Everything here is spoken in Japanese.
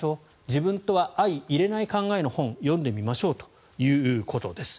自分とは相いれない考えの本を読んでみましょうということです。